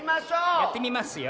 やってみますよ。